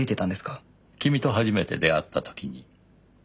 君と初めて出会った時に。